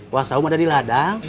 wasau ada di ladang